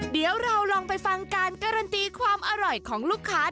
เดี๋ยวเราลองไปฟังการการันตีความอร่อยของลูกค้า